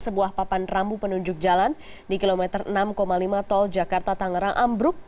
sebuah papan rambu penunjuk jalan di kilometer enam lima tol jakarta tangerang ambruk